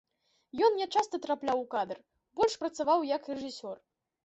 Ён нячаста трапляў у кадр, больш працаваў як рэжысёр.